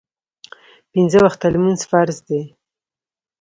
پینځه وخته لمونځ فرض دی